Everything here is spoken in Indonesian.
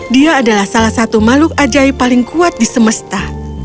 dia adalah salah satu makhluk ajaib paling kuat di semesta